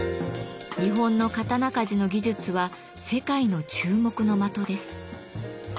日本の刀鍛冶の技術は世界の注目の的です。